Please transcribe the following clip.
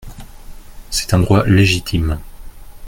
C’est un droit légitime.